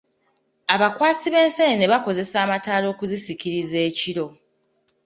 Abakwasi b'enseenene bakozesa amataala okuzisikiriza ekiro.